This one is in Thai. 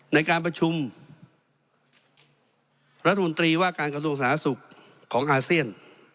ในการประชุมรัฐมนตรีว่าการกระทรวงสาธารณสุขของอาเซียน